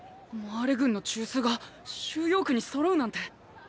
マーレ軍の中枢が収容区にそろうなんて。